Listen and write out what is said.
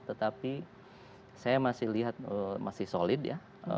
tetapi saya masih lihat masih solid ya